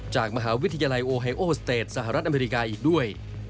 จากมหาวิทยาลัยโอไฮโอสเตจสหรัฐอเมริกาอีกด้วย